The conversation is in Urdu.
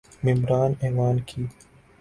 ممبران ایوان کی